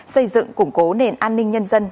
xây dựng củng cố nền an ninh nhân dân